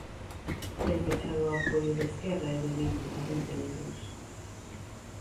Ten pechado o apoio de Esquerra e de Bildu, entre outros.